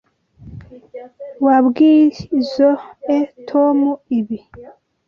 Wabwizoe Tom ibi?